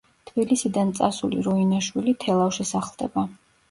თბილისიდან წასული როინაშვილი, თელავში სახლდება.